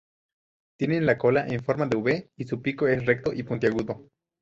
Tienen la cola en forma de "V" y su pico es recto y puntiagudo.